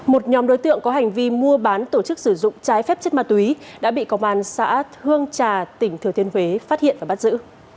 một nhóm đối tượng có hành vi mua bán tổ chức sử dụng trái phép chất ma túy đã bị công an xã hương trà tỉnh thừa thiên huế phát hiện và bắt giữ